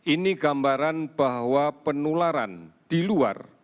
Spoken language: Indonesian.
ini gambaran bahwa penularan di luar